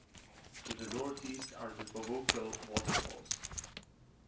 To the north-east are the Povokvil Waterfalls.